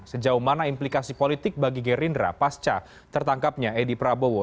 sejauh mana implikasi politik bagi gerindra pasca tertangkapnya edi prabowo